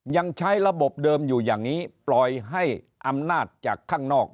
ยังใช้ระบบเดิมอยู่อย่างนี้ปล่อยให้อำนาจจากข้างนอก